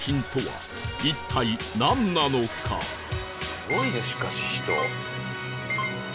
すごいねしかし人。